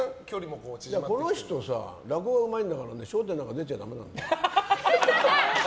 この人、落語うまいんだから「笑点」なんか出ちゃダメなんだよ。